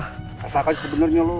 katakan sebenarnya lo